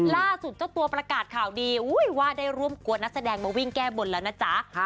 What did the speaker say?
ล่าสุดเจ้าตัวประกาศข่าวดีว่าได้ร่วมกวนนักแสดงมาวิ่งแก้บนแล้วนะจ๊ะ